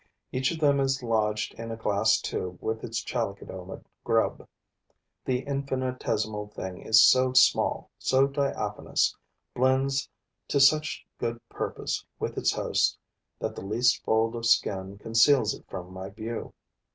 Each of them is lodged in a glass tube with its Chalicodoma grub. The infinitesimal thing is so small, so diaphanous, blends to such good purpose with its host that the least fold of skin conceals it from my view.